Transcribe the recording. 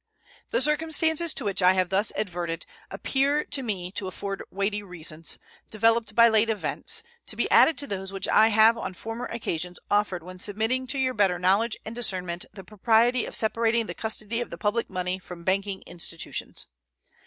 The circumstances to which I have thus adverted appear to me to afford weighty reasons, developed by late events, to be added to those which I have on former occasions offered when submitting to your better knowledge and discernment the propriety of separating the custody of the public money from banking institutions.